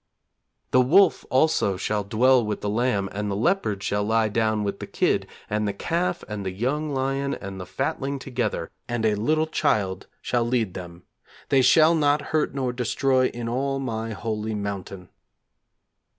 'The wolf also shall dwell with the lamb, and the leopard shall lie down with the kid; and the calf and the young lion and the fatling together; and a little child shall lead them.... They shall not hurt nor destroy in all my holy mountain.'